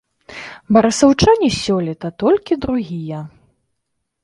Барысаўчане сёлета толькі другія.